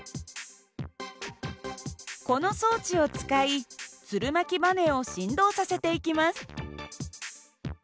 この装置を使いつるまきばねを振動させていきます。